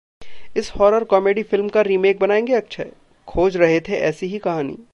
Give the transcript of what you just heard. इस horror comedy film का remake बनाएंगे अक्षय? खोज रहे थे ऐसी ही कहानी